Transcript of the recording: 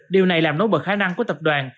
điều này làm nối bật khả năng của tập đoàn